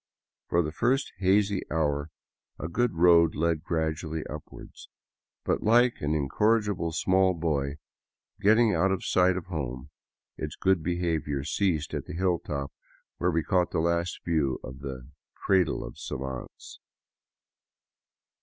For the first lazy hour a good road led gradually upward. But like an incorrigible small boy getting out of sight of home, its good behavior ceased at the hilltop where we caught the last view of the " cradle of savants."